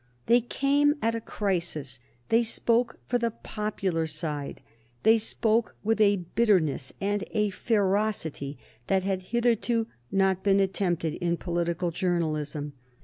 They came at a crisis; they spoke for the popular side; they spoke with a bitterness and a ferocity that had hitherto not been attempted in political journalism.